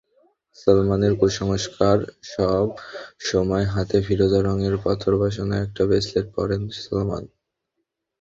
সালমানের কুসংস্কারসব সময় হাতে ফিরোজা রঙের পাথর বসানো একটা ব্রেসলেট পরেন সালমান।